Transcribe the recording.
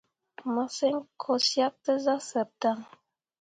Massǝŋ ko syak tǝ zah sǝrri dan.